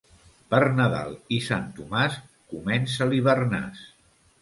Per Nadal i Sant Tomàs comença l'hivernàs.